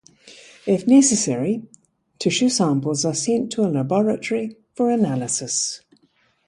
If necessary, tissue samples are sent to a laboratory for analysis.